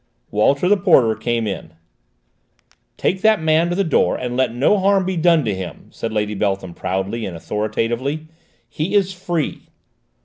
Walter, the porter, came in. "Take that man to the door, and let no harm be done to him," said Lady Beltham proudly and authoritatively. "He is free."